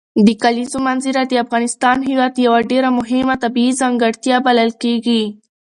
د کلیزو منظره د افغانستان هېواد یوه ډېره مهمه طبیعي ځانګړتیا بلل کېږي.